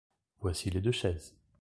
Voici les deux chaises.